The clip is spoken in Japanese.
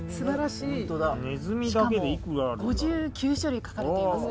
しかも５９種類書かれています。